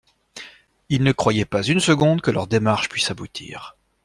Il ne croyait pas une seconde que leur démarche puisse aboutir.